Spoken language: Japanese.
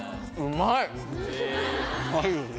うまいよね。